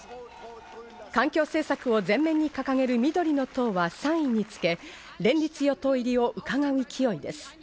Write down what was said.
環境政策を前面に掲げる緑の党は３位につけ連立与党入りをうかがう勢いです。